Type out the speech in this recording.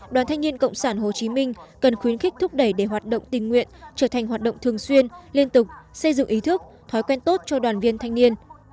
đoàn thanh niên cộng sản hồ chí minh cần khuyến khích thúc đẩy để hoạt động tình nguyện trở thành hoạt động thường xuyên liên tục xây dựng ý thức thói quen tốt cho đoàn viên thanh niên